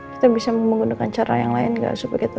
kita bisa menggunakan cara yang lain gak supaya kita tahu